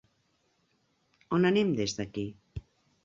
On anem des d'aquí?